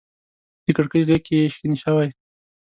د کړکۍ غیږ کي شین شوی